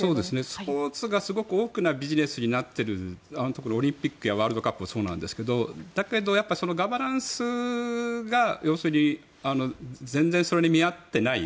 スポーツが、すごく大きなビジネスになっているオリンピックやワールドカップがそうなんですけどだけど、やっぱりガバナンスが全然それに見合っていない。